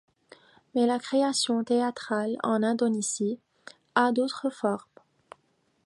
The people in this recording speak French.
Mais la création théâtrale en Indonésie a d'autres formes.